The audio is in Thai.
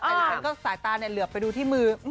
แต่งั้นก็สายตาเนี่ยเหลือไปดูที่มือ